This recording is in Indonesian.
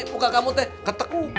muka kamu ten keteku